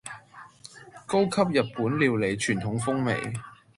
高級日本料理傳統風味